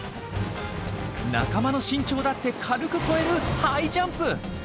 仲間の身長だって軽く超えるハイジャンプ。